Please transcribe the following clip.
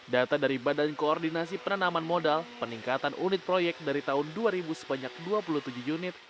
data dari badan koordinasi penanaman modal peningkatan unit proyek dari tahun dua ribu sebanyak dua puluh tujuh unit